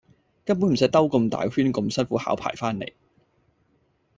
根本唔需要兜咁大個圈咁辛苦考牌番黎